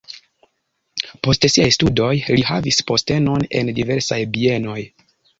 Post siaj studoj li havis postenon en diversaj bienoj.